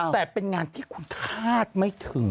แต่เป็นงานที่คุณคาดไม่ถึง